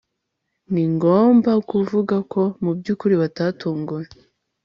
Ningomba kuvuga ko mubyukuri batatunguwe